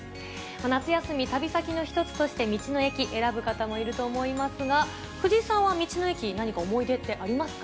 夏休み、旅先の一つとして道の駅、選ぶ方もいると思いますが、藤井さんは、道の駅、何か思い出ってありますか？